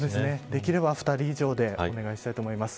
できれば２人以上でお願いしたいと思います。